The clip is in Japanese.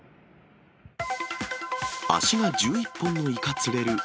足が１１本のイカ釣れる。